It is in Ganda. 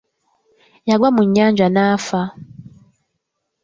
Yagwa mu nnyanja n'afa.